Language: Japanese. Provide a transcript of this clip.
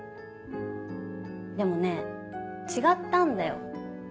でもね違ったんだよ。